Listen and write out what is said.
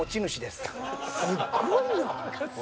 すっごいな。